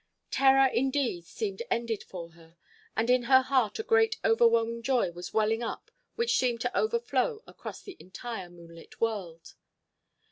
Terror indeed seemed ended for her, and in her heart a great overwhelming joy was welling up which seemed to overflow across the entire moonlit world.